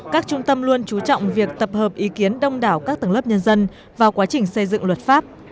các trung tâm luôn chú trọng việc tập hợp ý kiến đông đảo các tầng lớp nhân dân vào quá trình xây dựng luật pháp